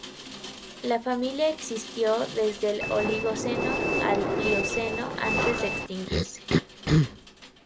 La familia existió desde el Oligoceno al Plioceno antes de extinguirse.